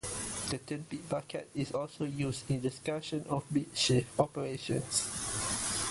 The term bit bucket is also used in discussions of bit shift operations.